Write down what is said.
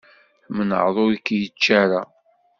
Tmenεeḍ ur k-yečči ara.